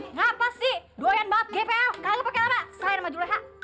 ngapasih doyan banget gpl kalau pakai apa saya maju